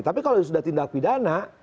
tapi kalau sudah tindak pidana